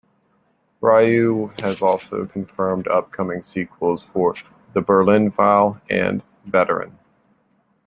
Ryoo has also confirmed upcoming sequels for "The Berlin File" and "Veteran".